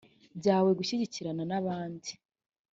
byawe gushyikirana n abandi